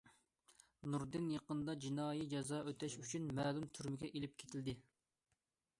نۇردۇن يېقىندا جىنايى جازا ئۆتەش ئۈچۈن مەلۇم تۈرمىگە ئېلىپ كېتىلدى.